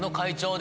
で